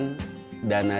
pada dua ribu ini